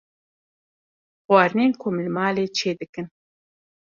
Xwarinên ku em li malê çê dikin